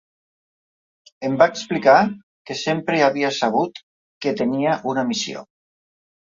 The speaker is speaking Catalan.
Em va explicar que sempre havia sabut que tenia una missió.